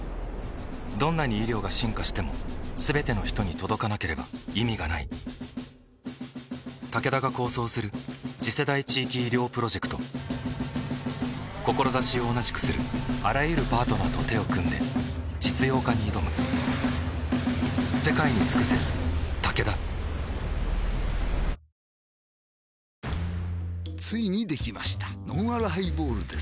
どんなに医療が進化しても全ての人に届かなければ意味がないタケダが構想する次世代地域医療プロジェクト志を同じくするあらゆるパートナーと手を組んで実用化に挑むついにできましたのんあるハイボールです